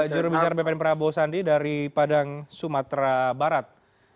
jurubisar bpn prabowo sandi dari padang sumatera barat